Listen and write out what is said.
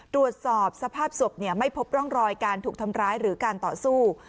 ตรวจสอบสภาพศพไม่พบร่องรอยการถูกทำร้ายหรือการต่อสู้